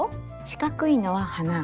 四角いのは花。